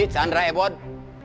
budi chandra ebon kemarin dibahas